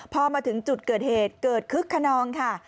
พอมาถึงจุดเกิดเหตุเกิดคึกขนองค่ะ